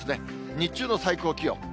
日中の最高気温。